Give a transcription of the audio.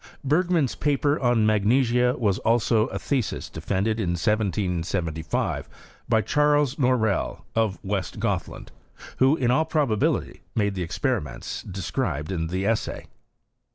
Bergman's paper on magnesia was also a thesis defended in 1775, by Charles Norell, of West Gothland, who in all probability made t!ie ex periments described in the essay.